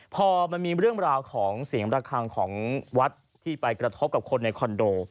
พอมันมีเรื่องราวของเสียงระคังของวัดที่ไปกระทบกับคนในคอนโด